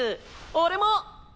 俺も！